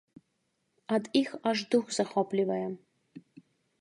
Ад іх аж дух захоплівае.